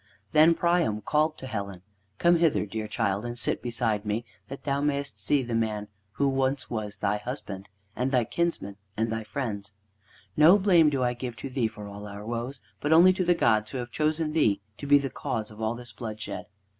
Then Priam called to Helen: "Come hither, dear child, and sit beside me, that thou may'st see the man who once was thy husband, and thy kinsmen, and thy friends. No blame do I give to thee for all our woes, but only to the gods who have chosen thee to be the cause of all this bloodshed."